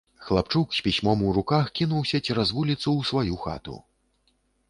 Хлапчук з пісьмом у руках кінуўся цераз вуліцу ў сваю хату.